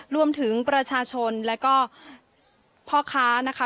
รวมถึงโปรชาชนและต่อค้า